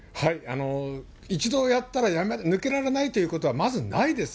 一度やったら抜けられないということは、まずないです。